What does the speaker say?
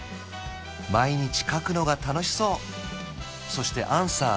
毎日書くのが楽しそうそしてアンサー